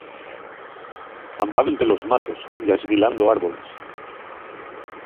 Andaben pelos matos ya esguilando árboles.